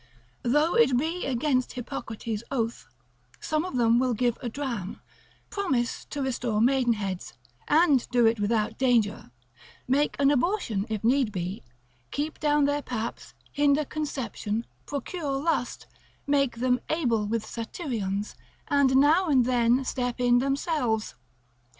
Though it be against Hippocrates' oath, some of them will give a dram, promise to restore maidenheads, and do it without danger, make an abortion if need be, keep down their paps, hinder conception, procure lust, make them able with Satyrions, and now and then step in themselves.